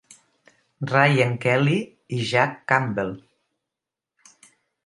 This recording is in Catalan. Ryan Kelly i Jack Campbell.